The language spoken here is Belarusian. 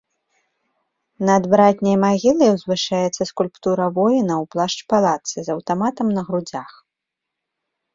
Над братняй магілай узвышаецца скульптура воіна ў плашч-палатцы з аўтаматам на грудзях.